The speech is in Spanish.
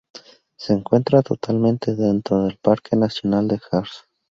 Se encuentra totalmente dentro del Parque Nacional de Harz.